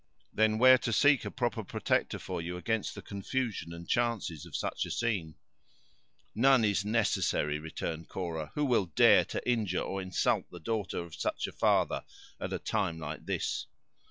Then where to seek a proper protector for you against the confusion and chances of such a scene?" "None is necessary," returned Cora; "who will dare to injure or insult the daughter of such a father, at a time like this?"